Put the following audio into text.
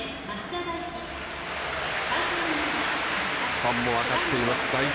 ファンも分かっています。